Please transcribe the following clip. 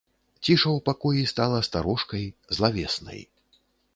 Ціша ў пакоі стала старожкай, злавеснай.